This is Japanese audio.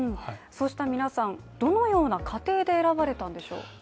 そうした皆さん、どのような過程で選ばれたんでしょう？